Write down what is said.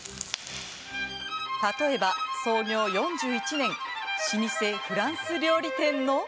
例えば、創業４１年老舗フランス料理店の。